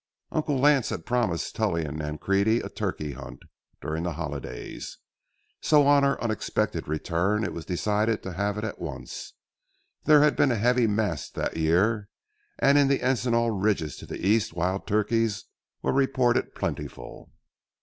Uncle Lance had promised Tully and Nancrede a turkey hunt during the holidays, so on our unexpected return it was decided to have it at once. There had been a heavy mast that year, and in the encinal ridges to the east wild turkeys were reported plentiful.